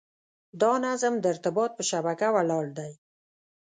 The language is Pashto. دا نظم د ارتباط په شبکه ولاړ دی.